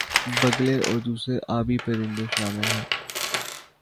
بگلے اور دوسرے آبی پرندے شامل ہیں